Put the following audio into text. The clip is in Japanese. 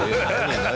何？